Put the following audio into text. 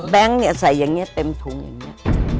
เนี่ยใส่อย่างนี้เต็มถุงอย่างนี้